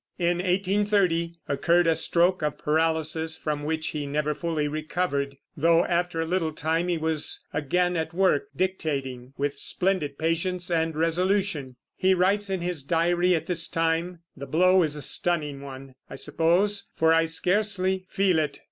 In 1830 occurred a stroke of paralysis from which he never fully recovered; though after a little time he was again at work, dictating with splendid patience and resolution. He writes in his diary at this time: "The blow is a stunning one, I suppose, for I scarcely feel it.